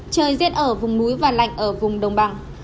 trời giết ở vùng núi và lạnh ở vùng đông bằng